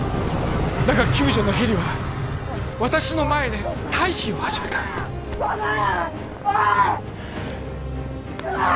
だが救助のヘリは私の前で退避を始めた戻れ！おい！うわ！